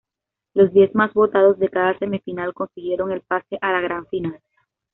Los diez más votados de cada semifinal consiguieron el pase a la gran final.